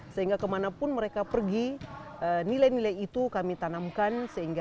sehingga kemanapun mereka pergi nilai nilai itu kami tanamkan